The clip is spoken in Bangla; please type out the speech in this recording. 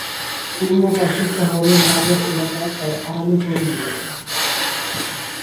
পূর্ব পাশে শহরের বাজার এলাকা তাই আড়ালে পড়ে গিয়েছে।